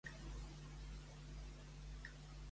D'aquí venen els problemes de La Esquinica.